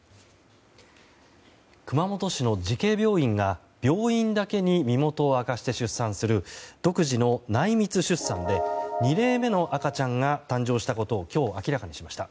熊本市の慈恵病院が病院だけに身元を明かして出産する独自の内密出産で２例目の赤ちゃんが誕生したことを今日、明らかにしました。